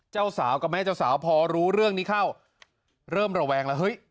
เจ้าสาวกับแม่เจ้าสาวพอรู้เรื่องนี้เข้าเริ่มระแวงแล้วเฮ้ย